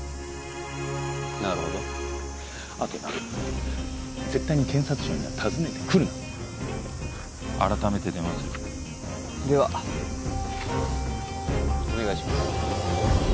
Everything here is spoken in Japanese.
なるほどあとな絶対に検察庁には訪ねてくるな改めて電話するではお願いします